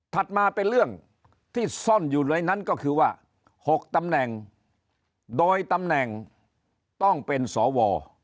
มาเป็นเรื่องที่ซ่อนอยู่ในนั้นก็คือว่า๖ตำแหน่งโดยตำแหน่งต้องเป็นสว